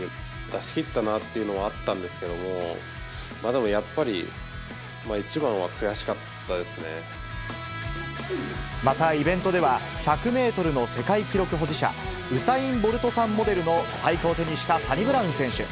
出し切ったなっていうのはあったんですけども、でもやっぱり、また、イベントでは１００メートルの世界記録保持者、ウサイン・ボルトさんモデルのスパイクを手にしたサニブラウン選手。